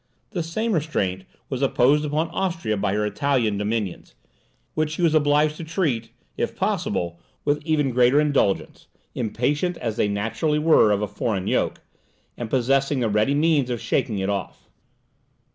The same restraint was imposed upon Austria by her Italian dominions, which she was obliged to treat, if possible, with even greater indulgence; impatient as they naturally were of a foreign yoke, and possessing also ready means of shaking it off.